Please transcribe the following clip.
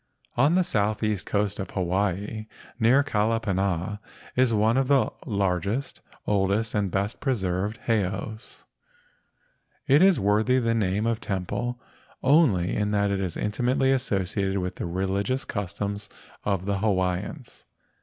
On the southeast coast of Hawaii near Kalapana is one of the largest, oldest, and best preserved heiaus. It is worthy the name of temple only as it is inti¬ mately associated with the religious customs of the Hawaiians.